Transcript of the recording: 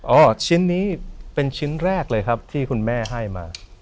โอ้ชิ้นนี้เป็นแรกที่คุณแม่ให้มา